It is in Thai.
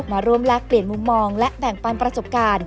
มาร่วมแลกเปลี่ยนมุมมองและแบ่งปันประสบการณ์